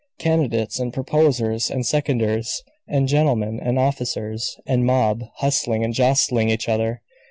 Candidates, and proposers and seconders, and gentlemen, and officers, and mob, hustling and jostling each other.